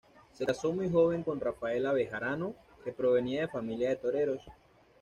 Se casó muy joven con Rafaela Bejarano, que provenía de familia de toreros.